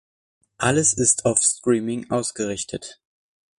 Alles ist auf Streaming ausgerichtet.